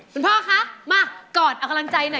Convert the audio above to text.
คุณภ่าค่ะมากอดแอลการังใจหน่อยค่ะ